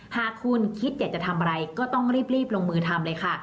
หากคุณคิดอยากจะทำอะไรก็ต้องรีบลงมือทำเลยค่ะ